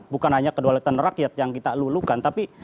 bukan hanya kedaulatan rakyat yang kita lulukan tapi